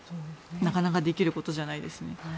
なかなかできることじゃないですね。